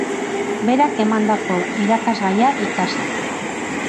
Berak emandako irakasgaia ikasiz.